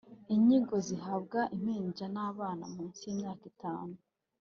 Inyingo zihabwa impinja nabana munsi y’imyaka itanu